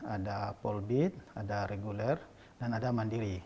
ada polbit ada reguler dan ada mandiri